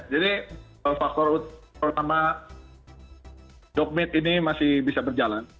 jadi faktor utama dog meat ini masih bisa berjalan